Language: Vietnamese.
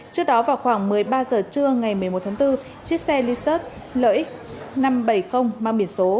trước đó vào khoảng một mươi ba h trưa ngày một mươi một tháng bốn chiếc xe lexus lx năm trăm bảy mươi mang biển số bốn mươi chín x sáu nghìn sáu trăm sáu mươi sáu